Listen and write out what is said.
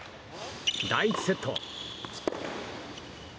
第１セット。